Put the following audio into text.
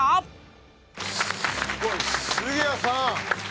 すごい。杉谷さん！